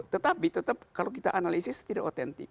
tetapi tetap kalau kita analisis tidak otentik